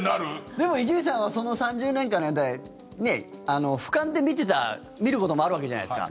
でも、伊集院さんはその３０年間の間でふかんで見ることもあるわけじゃないですか。